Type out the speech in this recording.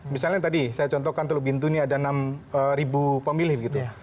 misalnya tadi saya contohkan teluk bintuni ada enam ribu pemilih gitu